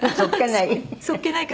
そっけない？